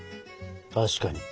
確かに。